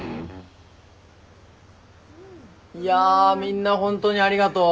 いやみんなホントにありがとう。